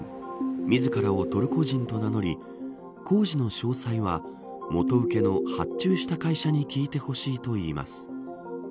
自らをトルコ人と名乗り工事の詳細は元請けの、発注した会社に聞いてほしいといいます。